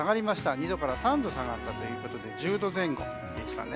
２度から３度下がったということで１０度前後でしたね。